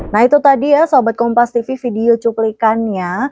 nah itu tadi ya sahabat kompas tv video cuplikannya